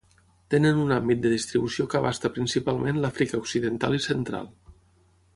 Tenen un àmbit de distribució que abasta principalment l'Àfrica Occidental i Central.